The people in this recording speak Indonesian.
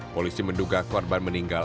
polisi menduga korban meninggal